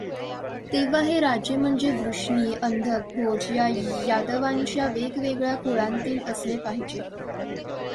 तेव्हा हे राजे म्हणजे, वृष्णी, अंधक, भोज या यादवांच्याच वेगवेगळ्या कुळांतील असले पाहिजेत.